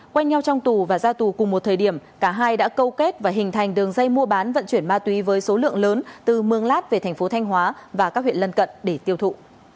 quanh nhau trong tù và ra tù cùng một thời điểm cả hai đã câu kết và hình thành đường dây mua bán vận chuyển ma túy với số lượng lớn từ mường lát về thành phố thanh hóa và các huyện lân cận để tiêu thụ